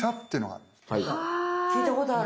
聞いたことある。